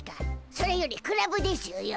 それよりクラブでしゅよ。